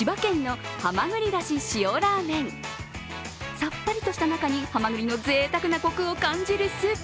さっぱりとした中にはまぐりのぜいたくなコクを感じるスープ。